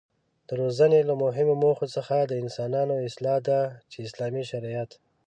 د روزنې له مهمو موخو څخه د انسانانو اصلاح ده چې اسلامي شريعت